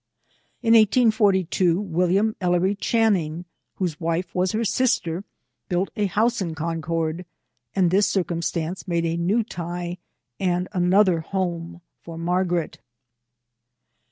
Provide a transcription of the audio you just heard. In 1842, William EUery Channing, whose wife was her sister, built a house in Concord, and this circumstance made a new tie and another home for Margaret.